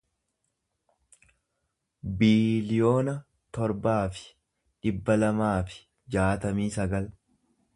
biiliyoona torbaa fi dhibba lamaa fi jaatamii sagal